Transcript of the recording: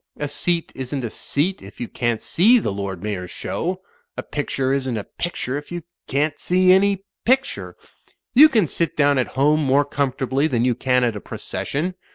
A seat isn't a seat if you can't see the Lord Mayor's Show. A picture isn't a pictiu e if you can't see any picttwe. You can sit down at home more comfortably than you can at a proces sion.